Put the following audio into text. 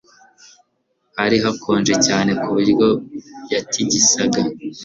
Hari hakonje cyane kuburyo yatigisaga